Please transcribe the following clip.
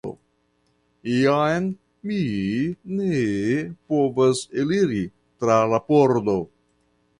Jam mi ne povas eliri tra la pordo.